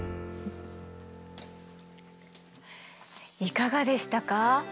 いかがでしたか？